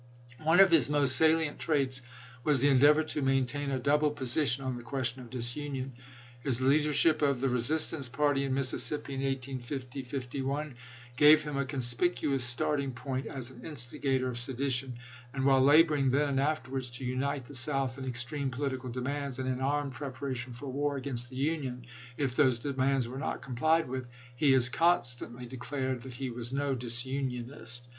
One of his most salient traits was the endeavor to maintain a double position on the question of disunion. His leadership of the " resistance " party in Mississippi in 1850 51 gave him a conspicuous starting point as an instigator of sedition, and while laboring then and afterwards to unite the South in extreme political demands, and in armed preparation for war against the Union if those demands were not complied with, he as constantly declared that he was no disunionist.